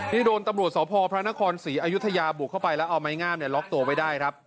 นี่โดนตำรวจสพพระนครศรีอยุธยาบุกเข้าไปแล้วเอาไม้งามล็อกตัวไว้ได้ครับ